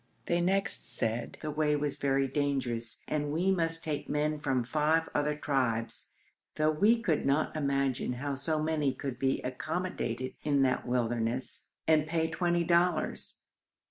They next said the way was very dangerous, and we must take men from five other tribes (though we could not imagine how so many could be accommodated in that wilderness), and pay twenty dollars.